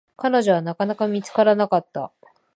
彼女は、なかなか見つからなかった。